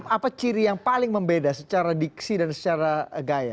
apa ciri yang paling membeda secara diksi dan secara gaya